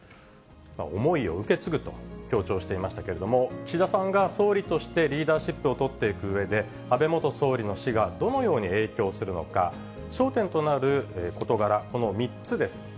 思いを受け継ぐと強調していましたけれども、岸田さんが総理としてリーダーシップをとっていくうえで、安倍元総理の死がどのように影響するのか、焦点となる事柄、この３つです。